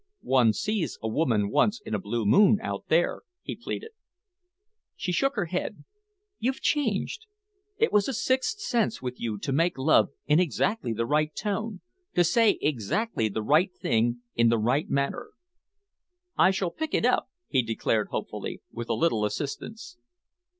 "One sees a woman once in a blue moon out there," he pleaded. She shook her head. "You've changed. It was a sixth sense with you to make love in exactly the right tone, to say exactly the right thing in the right manner." "I shall pick it up," he declared hopefully, "with a little assistance."